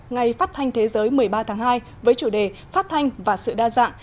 ngày phát thanh thế giới một mươi ba tháng hai với chủ đề phát thanh và sự đa dạng